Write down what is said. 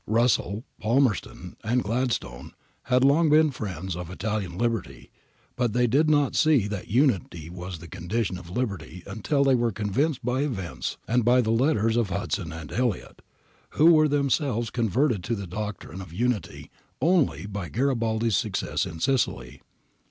Russell, Palmerston, and Gladstone had long been friends of Italian liberty, but they did not see that unity was the condition of liberty until they were con vinced by events and by the letters of Hudson and Elliot, who were themselves converted to the doctrine of Unity only by Garibaldi's success in Sicily.